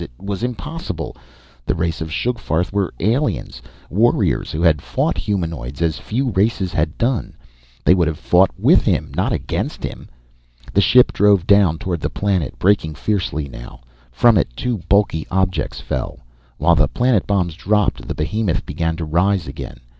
It was impossible. The race of Sugfarth were aliens warriors who had fought humanoids as few races had done. They would have fought with him, not against him! The ship drove down toward the planet, braking fiercely now. From it, two bulky objects fell. While the planet bombs dropped, the behemoth began to rise again.